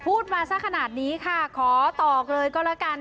พูดมาสักขนาดนี้ค่ะขอตอกเลยก็แล้วกัน